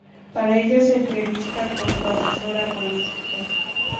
Para ello se entrevista con su asesora política.